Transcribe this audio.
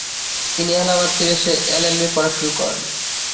তিনি এলাহাবাদ ফিরে এসে এল.এল.বি পড়া শুরু করেন।